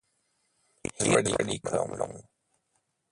He's really come along.